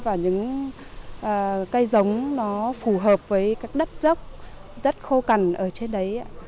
và những cây giống nó phù hợp với các đất dốc rất khô cằn ở trên đấy